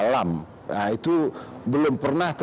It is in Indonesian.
tapizyka di luas itu seperti apa